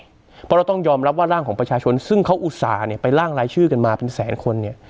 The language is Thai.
เพราะเราต้องยอมรับว่าร่างของประชาชนซึ่งเขาอุตส่าห์เนี่ยไปร่างรายชื่อกันมาเป็นแสนคนเนี่ย